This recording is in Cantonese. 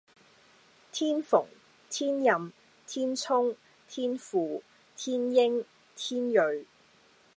天蓬、天任、天衝、天輔、天英、天芮